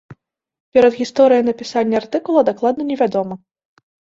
Перадгісторыя напісання артыкула дакладна невядома.